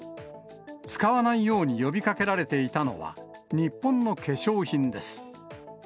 使わないように呼びかけられていたのは、日本の化粧品です。